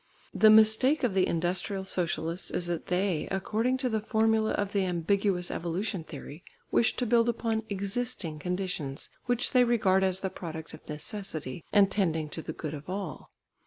The mistake of the industrial socialists is that they, according to the formula of the ambiguous evolution theory, wish to build upon existing conditions, which they regard as the product of necessity, and tending to the good of all.